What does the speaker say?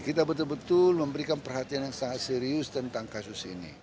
kita betul betul memberikan perhatian yang sangat serius tentang kasus ini